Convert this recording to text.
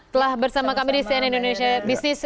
telah bersama kami di cnn indonesia business